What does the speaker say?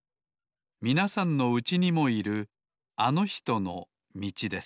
みなさんのうちにもいるあのひとのみちです